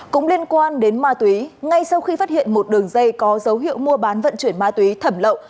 cũng liên quan đến ma túy ngay sau khi phát hiện một đường dây có dấu hiệu mua bán vận chuyển ma túy thẩm lậu